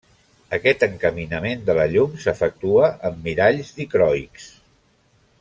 Aquest encaminament de la llum s'efectua amb miralls dicroics.